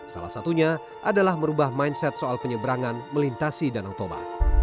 salah satunya adalah merubah mindset soal penyeberangan melintasi danau toba